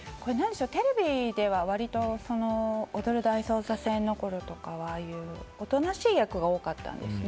テレビでは割と『踊る大捜査線』の頃とかは、おとなしい役が多かったんですね。